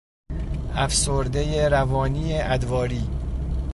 افسرده روانی ادواری